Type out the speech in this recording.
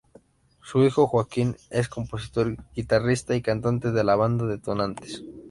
Su hijo Joaquín es compositor, guitarrista y cantante de la banda Detonantes.